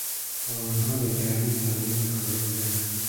با آنها به گرمی سلام و تعارف کردند.